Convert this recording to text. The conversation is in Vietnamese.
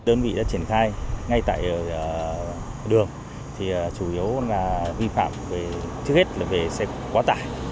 đơn vị đã triển khai ngay tại đường thì chủ yếu là vi phạm trước hết là về xe quá tải